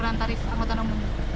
penurunan tarif angkutan umum